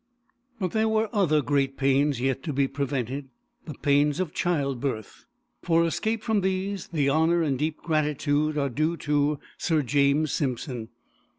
But there were other great pains yet to be prevented, the pains of childbirth. For escape from these the honour and deep gratitude are due to Sir James Simpson.